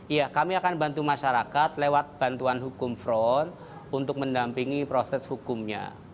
iya kami akan bantu masyarakat lewat bantuan hukum front untuk mendampingi proses hukumnya